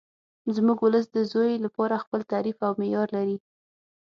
زموږ ولس د زوی لپاره خپل تعریف او معیار لري